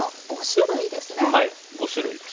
５種類ですね。